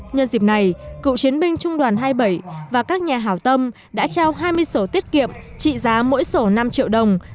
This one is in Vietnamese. nhân dịp này cựu chiến binh trung đoàn hai mươi bảy và các nhà hảo tâm đã trao hai mươi sổ tiết kiệm trị giá mỗi sổ năm triệu đồng